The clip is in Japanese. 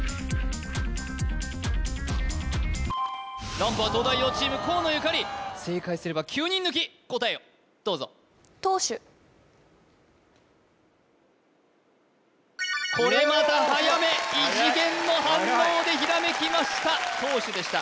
ランプは東大王チーム河野ゆかり正解すれば９人抜き答えをどうぞこれまたはやめ異次元の反応でひらめきました投手でした